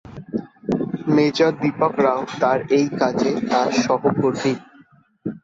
Major Deepak Rao তার এই কাজে তার সহকর্মী।